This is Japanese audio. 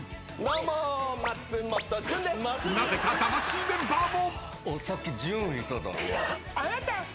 ［なぜか魂メンバーも］